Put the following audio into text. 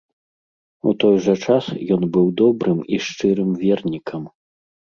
У той жа час ён быў добрым і шчырым вернікам.